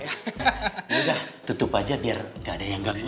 ya udah tutup aja biar nggak ada yang ngangguin